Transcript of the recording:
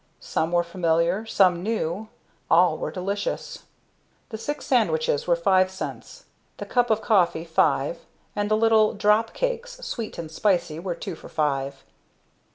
Some were familiar, some new, all were delicious. The six sandwiches were five cents, the cup of coffee five, and the little "drop cakes," sweet and spicy, were two for five.